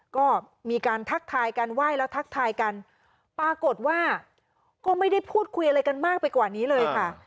ก็มีการทักทายกันไหว้แล้วทักทายกันปรากฏว่าก็ไม่ได้พูดคุยอะไรกันมากไปกว่านี้เลยค่ะ